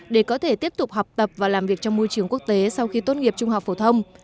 để có thể tiếp tục học tập và làm việc trong môi trường quốc tế sau khi tốt nghiệp trung học phổ thông